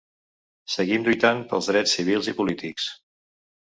Seguim lluitant pels drets civils i polítics.